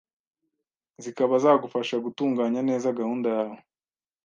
zikaba zagufasha gutunganya neza gahunda yawe